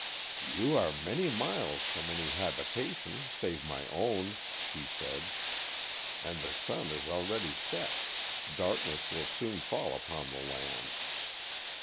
"You are many miles from any habitation save my own," he said, "and the sun is already set, darkness will soon fall upon the land.